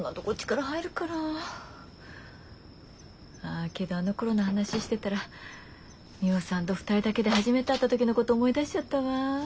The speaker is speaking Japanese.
あけどあのころの話してたらミホさんと２人だけで初めて会った時のこと思い出しちゃったわ。